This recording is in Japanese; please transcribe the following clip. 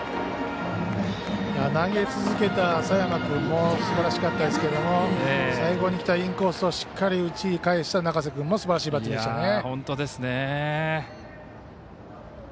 投げ続けた佐山君もすばらしかったですけれども最後にきたインコースをしっかりと打ち返した中瀬君もすばらしいバッティングでした。